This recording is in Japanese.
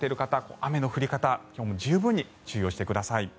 雨の降り方、今日も十分に注意してください。